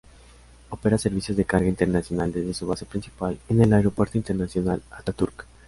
Opera servicios de carga internacional desde su base principal en el Aeropuerto Internacional Atatürk.